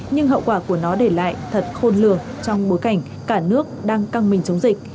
nhưng hậu quả của nó để lại thật khôn lường trong bối cảnh cả nước đang căng mình chống dịch